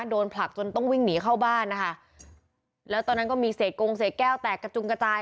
ผลักจนต้องวิ่งหนีเข้าบ้านนะคะแล้วตอนนั้นก็มีเศษกงเศษแก้วแตกกระจุงกระจาย